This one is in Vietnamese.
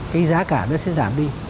cái giá cả nó sẽ giảm đi